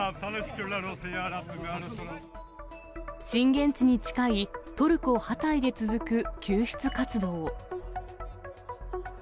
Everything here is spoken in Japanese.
震源地に近いトルコ・ハタイで続く救出活動。